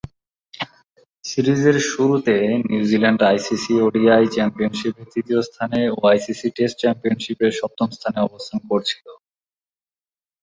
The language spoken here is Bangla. সিরিজের শুরুতে নিউজিল্যান্ড আইসিসি ওডিআই চ্যাম্পিয়নশীপে তৃতীয় স্থানে ও আইসিসি টেস্ট চ্যাম্পিয়নশীপে সপ্তম স্থানে অবস্থান করছিল।